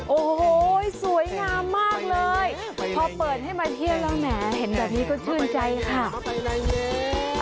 โอ้โหสวยงามมากเลยพอเปิดให้มาเที่ยวแล้วแหมเห็นแบบนี้ก็ชื่นใจค่ะ